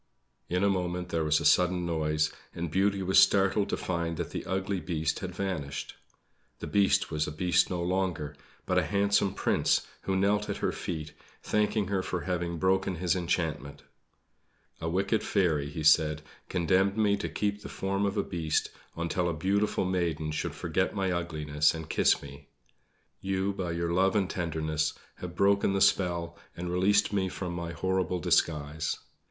In a moment there was a sudden noise, and Beauty was startled to find that the ugly Beast had vanished. The Beast was a beast no longer, but a handsome Prince, who knelt at her feet, thanking her for having broken his enchantment. "A wicked fairy," he said, "condemned me to keep the form of a beast until a beautiful maiden should forget my ugliness and kiss me. You, by your love and tenderness, have broken the spell and released me from my horrible disguise.